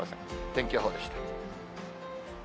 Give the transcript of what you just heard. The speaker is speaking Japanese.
天気予報でした。